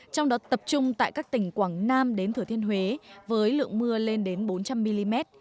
trong đó tập trung tại các tỉnh quảng nam đến thừa thiên huế với lượng mưa lên đến bốn trăm linh mm